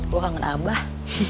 gue kangen abah